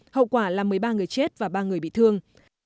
hậu quả là một mươi ba người chết và ba người bị thương